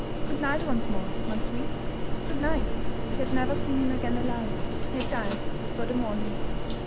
Good night once more, my sweet.' 'Good night.' She had never seen him again alive. He died before the morning.